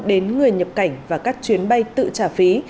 đến người nhập cảnh và các chuyến bay tự trả phí